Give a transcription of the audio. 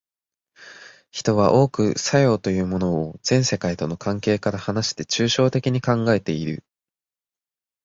人は多く作用というものを全世界との関係から離して抽象的に考えている。